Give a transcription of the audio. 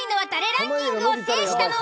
ランキングを制したのは。